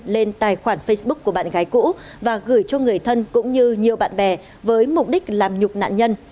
lên tài khoản facebook của bạn gái cũ và gửi cho người thân cũng như nhiều bạn bè với mục đích làm nhục nạn nhân